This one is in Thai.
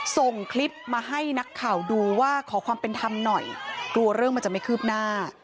ส่งคลิปมาให้นักข่าวดูว่าขอความเป็นธรรมหน่อยกลัวเรื่องมันจะไม่คืบหน้า